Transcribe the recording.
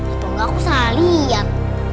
atau gak aku salah liat